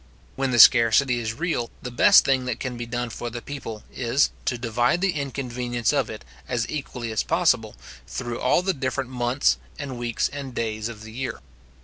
When the scarcity is real, the best thing that can be done for the people is, to divide the inconvenience of it as equally as possible, through all the different months and weeks and days of the year.